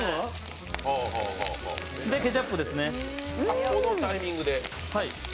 それでケチャップですね。